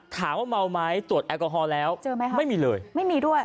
ถามว่าเมาไหมตรวจแอลกอฮอล์แล้วไม่มีเลย